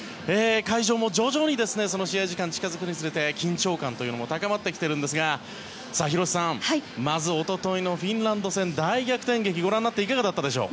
会場も徐々に試合時間が近づくにつれて緊張感というのも高まってきているんですが広瀬さんまず一昨日のフィンランド戦。大逆転劇ご覧になっていかがでしょう？